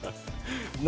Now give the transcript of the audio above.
何？